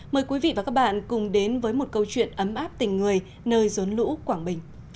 mời quý vị và các bạn cùng đến với một câu chuyện ấm áp tình người nơi rốn lũ quảng bình